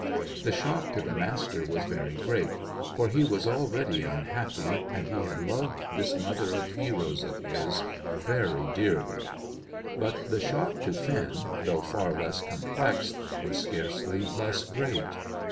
The shock to the Master was very great; for he was already unhappy, and he had loved this mother of heroes of his very dearly. But the shock to Finn, though far less complex, was scarcely less great.